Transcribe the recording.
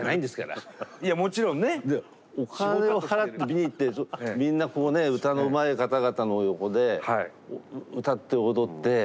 お金を払って見に行ってみんなこうね歌のうまい方々の横で歌って踊って。